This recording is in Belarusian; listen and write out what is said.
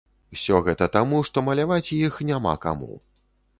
Усё гэта таму, што маляваць іх няма каму.